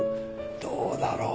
どうだろう？